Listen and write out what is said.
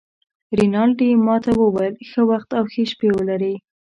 رینالډي ما ته وویل: ښه وخت او ښه شپه ولرې.